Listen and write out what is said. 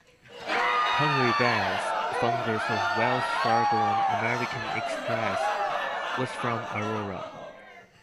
Henry Wells, founder of Wells Fargo and American Express, was from Aurora.